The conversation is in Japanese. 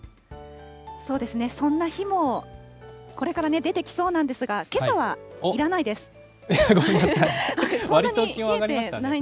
そうですね、そんな日も、これからね、出てきそうなんですが、ごめんなさい。